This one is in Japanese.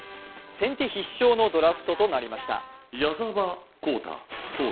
先手必勝のドラフトとなりました。